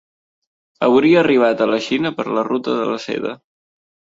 Hauria arribat a la Xina per la Ruta de la seda.